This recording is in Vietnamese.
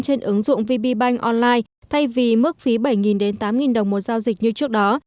trên ứng dụng vpbank online thay vì mức phí bảy đến tám đồng một giao dịch như trước đó